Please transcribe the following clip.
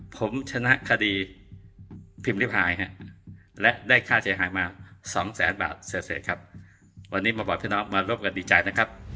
ผมชนะคดีพิมพิพายและได้ค่าเสียหายมาสองแสนบาทเศษครับวันนี้มาบอกพี่น้องมาร่วมกันดีใจนะครับ